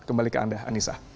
kembali ke anda anissa